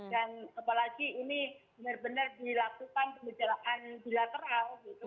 dan apalagi ini benar benar dilakukan pemberjalanan bilateral gitu